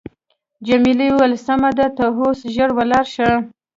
جميلې وويل: سمه ده ته اوس ژر ولاړ شه.